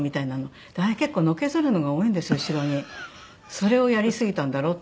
それをやりすぎたんだろうって